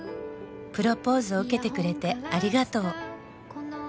「プロポーズを受けてくれてありがとう」